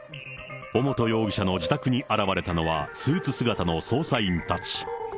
尾本容疑者の自宅に現れたのは、スーツ姿の捜査員たち。